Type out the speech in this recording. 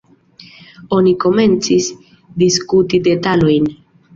Oni komencis diskuti detalojn.